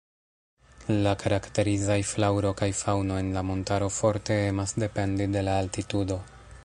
La karakterizaj flaŭro kaj faŭno en la montaro forte emas dependi de la altitudo.